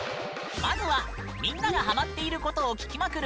まずはみんながハマっていることを聞きまくる